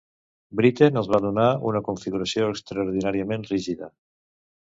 Britten els va donar una configuració extraordinàriament rígida.